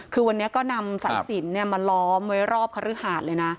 คือวันนี้ก็นำสายสินมาล้อมไว้รอบคฤหาดเลยนะ